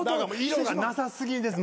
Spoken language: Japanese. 色がなさ過ぎです